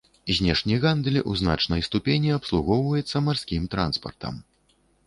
Знешні гандаль у значнай ступені абслугоўваецца марскім транспартам.